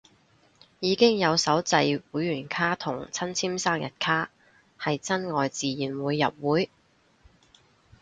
已經有手製會員卡同親簽生日卡，係真愛自然會入會